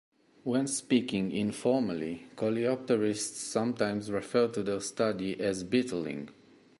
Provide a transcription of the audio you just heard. When speaking informally, coleopterists sometimes refer to their study as "beetling".